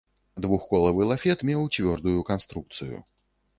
Двухколавы лафет меў цвёрдую канструкцыю.